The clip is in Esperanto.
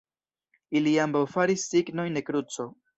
Ili ambaŭ faris signojn de kruco.